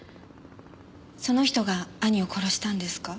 その人が兄を殺したんですか？